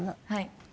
はい。